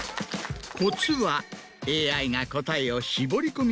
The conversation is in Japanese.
コツは。